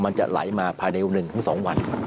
มันจะไหลมาภายใน๑๒วัน